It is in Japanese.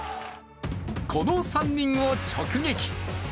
この３人を直撃。